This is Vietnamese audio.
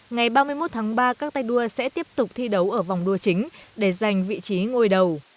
ngày ba mươi một tháng ba các tay đua sẽ tiếp tục thi đấu ở vòng đua chính để giành vị trí ngôi đầu